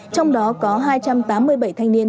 trong đó có hai trăm tám mươi bảy thanh niên